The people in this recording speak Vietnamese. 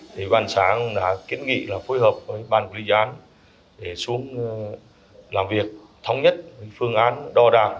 thì ubnd đã kiến nghị là phối hợp với ban quỹ dán để xuống làm việc thống nhất với phương án đo đạc